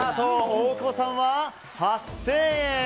大久保さんは８０００円。